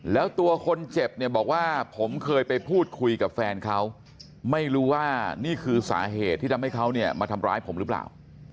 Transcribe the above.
แล้วตัวคนเจ็บเนี่ยบอกว่าผมเคยไปพูดคุยกับแฟนเขาไม่รู้ว่านี่คือสาเหตุที่ทำให้เขาเนี่ยมาทำร้ายผมหรือเปล่า